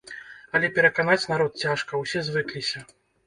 Але пераканаць народ цяжка, усе звыкліся.